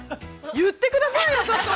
◆言ってくださいよ、ちょっと。